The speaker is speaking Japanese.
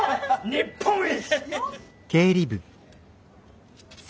日本一！